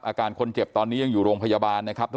อาการคนเจ็บตอนนี้ยังอยู่โรงพยาบาลนะครับ